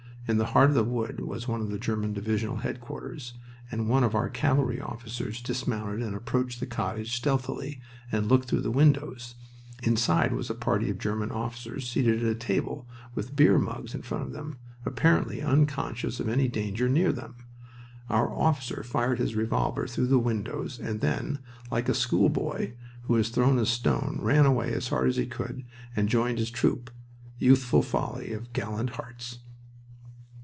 In the heart of the wood was one of the German divisional headquarters, and one of our cavalry officers dismounted and approached the cottage stealthily, and looked through the windows. Inside was a party of German officers seated at a table, with beer mugs in front of them, apparently unconscious of any danger near them. Our officer fired his revolver through the windows and then, like a schoolboy who has thrown a stone, ran away as hard as he could and joined his troop. Youthful folly of gallant hearts!